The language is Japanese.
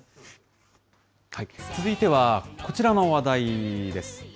続いてはこちらの話題です。